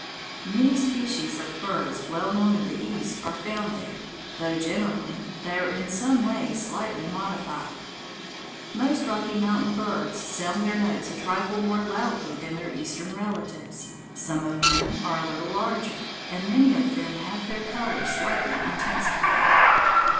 Many species of birds well known in the East are found there, though, generally, they are in some way slightly modified. Most Rocky Mountain birds sound their notes a trifle more loudly than their Eastern relatives. Some of them are a little larger, and many of them have their colors slightly intensified.